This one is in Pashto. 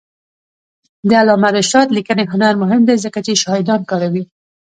د علامه رشاد لیکنی هنر مهم دی ځکه چې شاهدان کاروي.